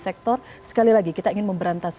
sektor sekali lagi kita ingin memberantas